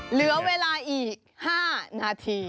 เหลือเวลาอีก๕นาที